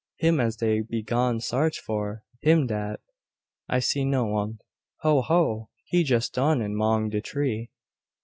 "Him as dey be gone sarch for him dat " "I see no one." "Ho, ho! He jess gone in 'mong de tree.